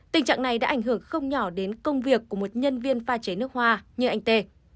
tình trạng này đã ảnh hưởng không nhỏ đến công việc của một nhân viên pha chế nước hoa như anh tê